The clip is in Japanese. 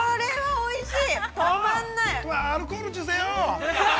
◆おいしい！